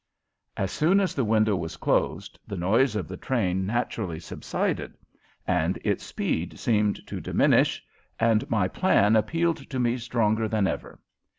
As soon as the window was closed the noise of the train naturally subsided and its speed seemed to diminish, and my plan appealed to me stronger than ever.